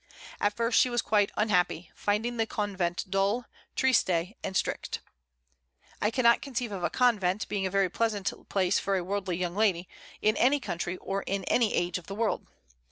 At first she was quite unhappy, finding the convent dull, triste, and strict. I cannot conceive of a convent being a very pleasant place for a worldly young lady, in any country or in any age of the world.